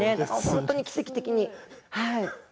本当に奇跡的に。